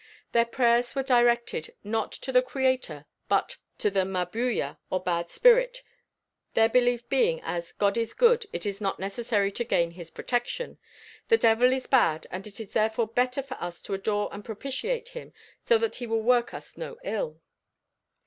Their prayers were directed not to the creator by but to the Mabuya or bad spirit their belief being as "God is good it is not necessary to gain his protection; the devil is bad and it is therefore better for us to adore and propitiate him so that he will work us no ill."